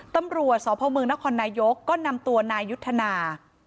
ตำรวจสพเมืองนครนายกก็นำตัวนายยุทธนา